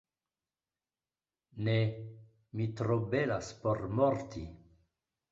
Ne! Mi tro belas por morti.